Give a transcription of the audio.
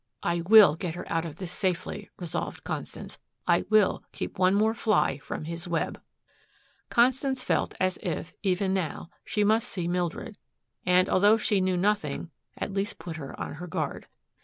"I WILL get her out of this safely," resolved Constance. "I WILL keep one more fly from his web." Constance felt as if, even now, she must see Mildred and, although she knew nothing, at least put her on her guard.